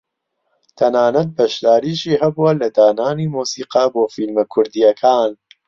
تەنانەت بەشداریشی هەبووە لە دانانی مۆسیقا بۆ فیلمە کوردییەکان